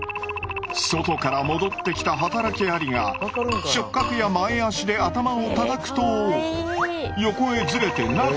外から戻ってきた働きアリが触角や前足で頭をたたくと横へずれて中へ入れてくれる。